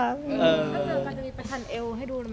ถ้าเจอกันจะมีประทานเอวให้ดูนะครับ